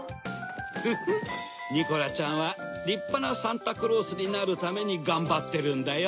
フフっニコラちゃんはりっぱなサンタクロースになるためにがんばってるんだよ。